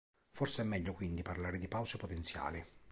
Forse è meglio quindi parlare di "pause potenziali".